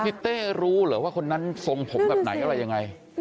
เต้รู้เหรอว่าคนนั้นทรงผมแบบไหนอะไรยังไง